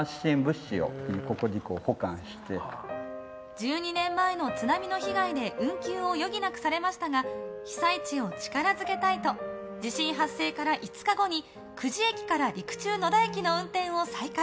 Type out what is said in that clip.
１２年前の津波の被害で運休を余儀なくされましたが被災地を力づけたいと地震発生から５日後に久慈駅から陸中野田駅の運転を再開。